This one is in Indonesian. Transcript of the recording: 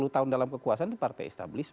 sepuluh tahun dalam kekuasaan itu partai establis